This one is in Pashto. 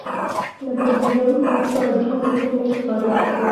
_نه پوهېږم، په دوړو کې نه ښکاري.